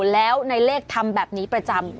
แล้วในเลขทำแบบนี้ประจำ